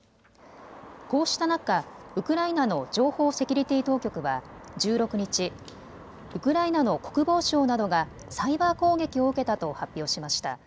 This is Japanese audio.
こうした中、ウクライナの情報セキュリティー当局は１６日、ウクライナの国防省などがサイバー攻撃を受けたと発表しました。